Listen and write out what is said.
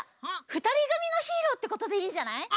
ふたりぐみのヒーローってことでいいんじゃない？